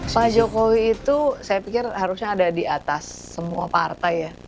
pak jokowi itu saya pikir harusnya ada di atas semua partai ya